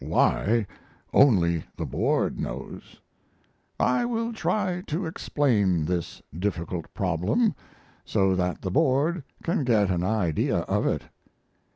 Why, only the board knows! I will try to explain this difficult problem so that the board can get an idea of it.